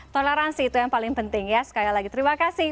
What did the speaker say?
toleransi itu yang paling penting ya sekali lagi terima kasih